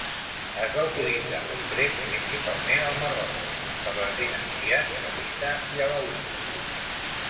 Es va utilitzar després principalment al Marroc per les dinasties sadita i alauita.